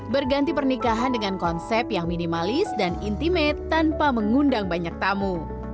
berganti pernikahan dengan konsep yang minimalis dan intimate tanpa mengundang banyak tamu